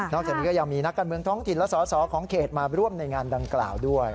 จากนี้ก็ยังมีนักการเมืองท้องถิ่นและสอสอของเขตมาร่วมในงานดังกล่าวด้วย